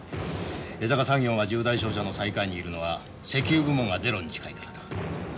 江坂産業が十大商社の最下位にいるのは石油部門がゼロに近いからだ。